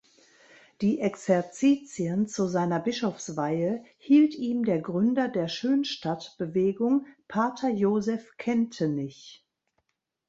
Die Exerzitien zu seiner Bischofsweihe hielt ihm der Gründer der Schönstatt-Bewegung, Pater Josef Kentenich.